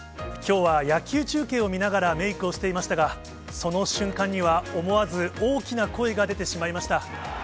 きょうは野球中継を見ながらメークをしていましたが、その瞬間には、思わず大きな声が出てしまいました。